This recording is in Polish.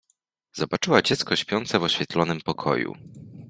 Zobaczyła dziecko śpiące w oświetlonym pokoju.